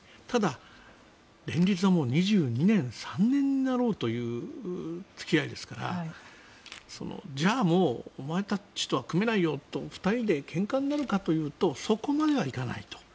ただ、連立はもう２２年、２３年になろうという付き合いですからじゃあもうお前たちとは組めないよと２人でけんかになるかというとそこまではいかない。